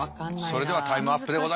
それではタイムアップでございます。